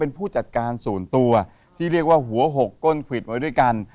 เป็นผู้จัดการส่วนตัวที่เรียกว่าหัวหกก้นควิดไว้ด้วยกัน